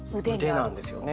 腕なんですよね。